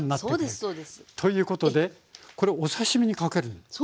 そうですそうです。ということでこれお刺身にかけるんですか？